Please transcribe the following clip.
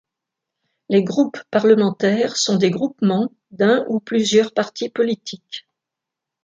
Les groupes parlementaires sont des groupements d'un ou plusieurs partis politiques.